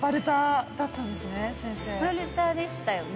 スパルタでしたよね？